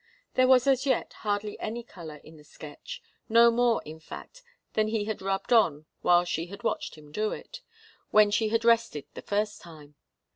There was as yet hardly any colour in the sketch, no more, in fact, than he had rubbed on while she had watched him do it, when she had rested the first time.